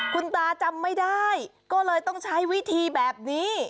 คุณตาจำไม่ได้ก็เลยต้องใช้วิธีแบบนี้